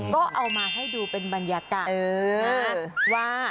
ก็เอามาให้ดูเป็นบรรยากาศว่า